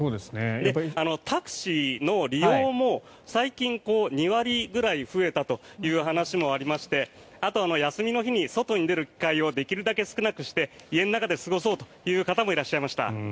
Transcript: タクシーの利用も最近２割ぐらい増えたという話もありましてあと、休みの日に外に出る機会をできるだけ少なくして家の中で過ごそうという方もいらっしゃいました。